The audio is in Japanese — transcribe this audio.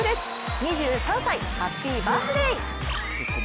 ２３歳、ハッピーバースデー！